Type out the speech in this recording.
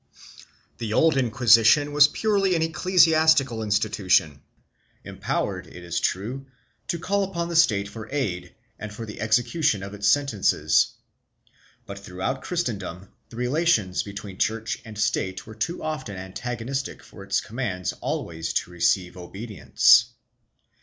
The old Inquisition was purely an ecclesiastical institution, empowered, it is true, to call upon the State for aid and for the execution of its sentences, but throughout Christendom the relations between Church and State were too often antagonistic for its commands always to receive obedience.